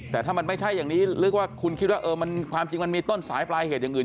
แต่ถ้ามันไม่ใช่อย่างนี้หรือว่าคุณคิดว่าความจริงมันมีต้นสายปลายเหตุอย่างอื่น